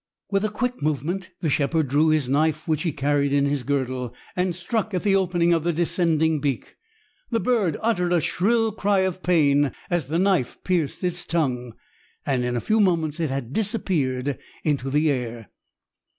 With a quick movement, the shepherd drew a knife which he carried in his girdle, and struck at the opening of the descending beak. The bird uttered a shrill cry of pain as the knife pierced its tongue, and in a few moments it had disappeared in the air.